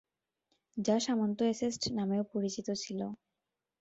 যা সামন্ত এস্টেট নামেও পরিচিত ছিল।